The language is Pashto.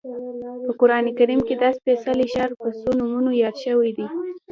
په قران کریم کې دا سپېڅلی ښار په څو نومونو یاد شوی دی.